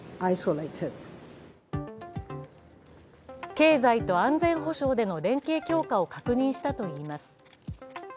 経済と安全保障での連携強化を確認したといいます。